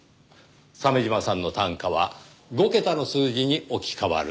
鮫島さんの短歌は５桁の数字に置き換わる。